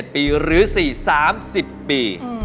ปีหรือ๔๓๐ปี